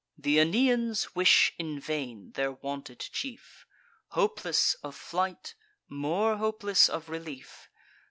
Th' Aeneans wish in vain their wanted chief, Hopeless of flight, more hopeless of relief.